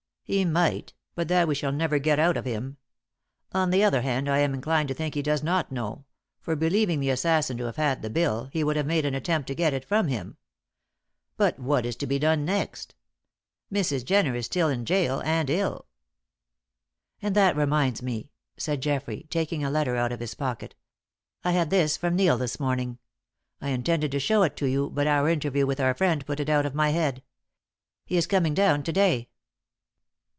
"He might, but that we shall never get out of him. On the other hand I am inclined to think he does not know, for believing the assassin to have had the bill, he would have made an attempt to get it from him. But what is to be done next? Mrs. Jenner is still in gaol and ill." "Ah, that reminds me," said Geoffrey, taking a letter out of his pocket. "I had this from Neil this morning. I intended to show it to you, but our interview with our friend put it out of my head. He is coming down to day."